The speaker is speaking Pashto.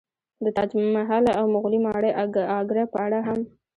د تاج محل او مغولي ماڼۍ اګره په اړه هم